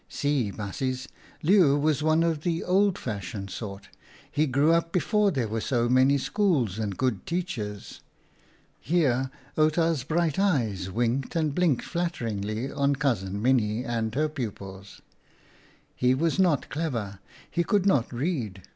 See, baasjes, Leeuw was one of the old fashioned sort. He grew up before there were so many schools and good teachers" — here Outa's bright eyes winked and blinked flatteringly on Cousin Minnie and her pupils — "he was not clever; he could not read.